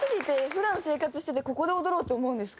普段生活しててここで踊ろうと思うんですか？